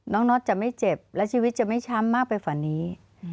น็อตจะไม่เจ็บและชีวิตจะไม่ช้ำมากไปกว่านี้